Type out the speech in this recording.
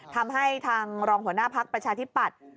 ทำให้ทางรองหัวหน้าพักประชาธิปัตย์